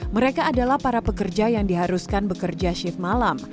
mereka adalah para pekerja yang diharuskan bekerja shift malam